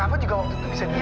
aduh kak edo